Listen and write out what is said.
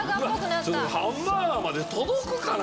ハンバーガーまで届くかな？